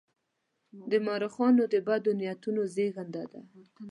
د مورخانو د بدو نیتونو زېږنده ده.